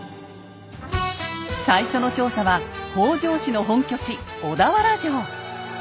最初の調査は北条氏の本拠地小田原城。